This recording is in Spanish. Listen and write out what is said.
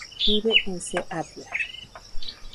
Vive en Seattle.